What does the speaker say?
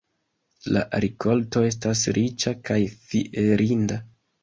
La rikolto estas riĉa kaj fierinda.